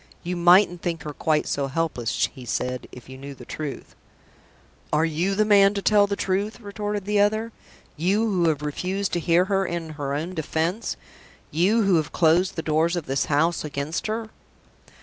"You mightn't think her quite so helpless," he said, "if you knew the truth." "Are you the man to tell me the truth?" retorted the other. "You who have refused to hear her in her own defense! You who have closed the doors of this house against her!"